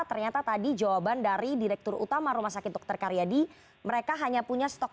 ternyata tadi jawaban dari direktur utama rumah sakit dr karyadi mereka hanya punya stok